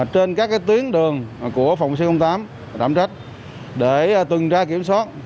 trên các cái tuyến đường của phòng pc tám đảm trách để tường tra kiểm soát